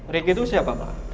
ricky itu siapa pak